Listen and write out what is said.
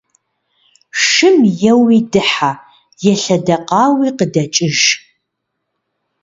Шым еуи дыхьэ, елъэдэкъауи къыдэкӏыж.